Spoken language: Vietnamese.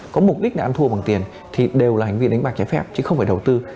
có mục đích là ăn thua bằng tiền thì đều là hành vi đánh bạc trái phép chứ không phải đầu tư